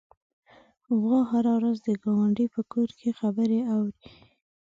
غوا هره ورځ د ګاونډي په کور کې خبرې اوري.